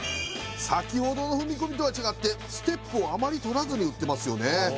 先ほどの踏み込みとは違ってステップをあまり取らずに打ってますよね